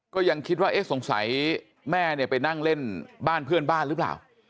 ก็ยังคิดว่าเอ๊ะสงสัยแม่เนี่ยไปนั่งเล่นบ้านเพื่อนบ้านหรือเปล่า